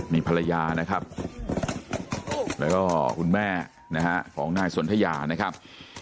นี่ภรรยานะครับแล้วก็คุณแม่นะฮะของนายสนทยานะครับ